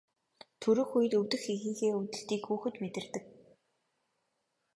Төрөх үед өвдөх эхийнхээ өвдөлтийг хүүхэд мэдэрдэг.